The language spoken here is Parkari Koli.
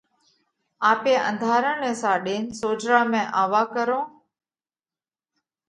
آپي انڌارا نئہ ساڏينَ سوجھرا ۾ آوَو ڪرونه۔